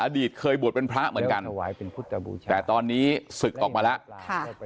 อดีตเคยบวชเป็นพระเหมือนกันแต่ตอนนี้ศึกออกมาแล้ว